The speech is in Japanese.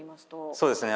そうですね